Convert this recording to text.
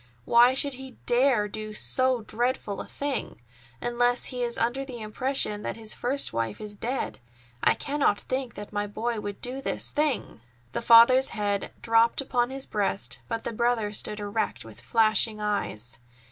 Why should he dare do so dreadful a thing!—unless he is under the impression that his first wife is dead. I cannot think that my boy would do this thing!" The father's head dropped upon his breast, but the brother stood erect with flashing eyes.